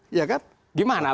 gimana pak juri mbak diri